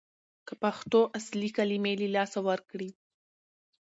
که پښتو اصلي کلمې له لاسه ورکړي